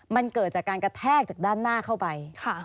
มันเกิดจากการกระแทกจากด้านหน้าเข้าไป